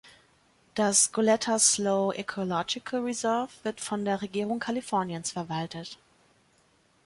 Das Goleta Slough Ecological Reserve wird von der Regierung Kaliforniens verwaltet.